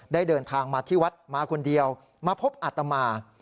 เดินทางมาที่วัดมาคนเดียวมาพบอัตมา